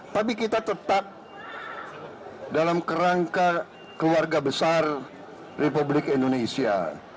tapi kita tetap dalam kerangka keluarga besar republik indonesia